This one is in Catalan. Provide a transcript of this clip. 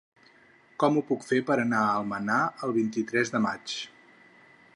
Com ho puc fer per anar a Almenar el vint-i-tres de maig?